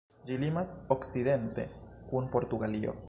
Ĝi limas okcidente kun Portugalio.